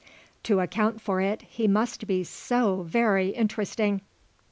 To account for it he must be so very interesting.